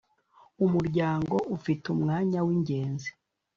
umuryango ufite umwanya w’ingenzi